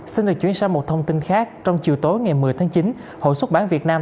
xin được chuyển sang một thông tin khác trong chiều tối ngày một mươi tháng chín hội xuất bản việt nam